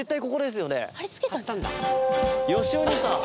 「よしお兄さん